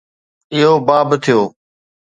اهو باب ٿيو